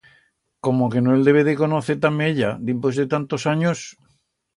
Como que no el debe de conocer tamé ella, dimpués de tantos anyos!